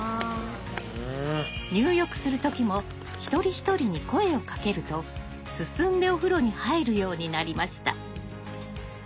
入浴する時も一人一人に声をかけると進んでお風呂に入るようになりました。